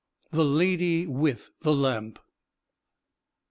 THE LADY WITH THE LAMP.